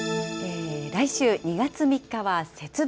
来週、２月３日は節分。